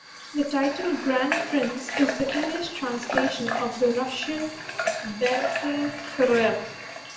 The title "Grand Prince" is the English translation of the Russian "Великий князь".